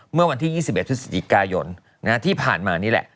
เมื่อวันที่๒๑พฤศจิกายนที่ผ่านมานี่แหละ